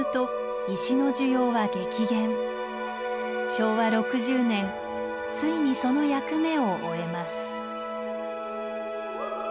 昭和６０年ついにその役目を終えます。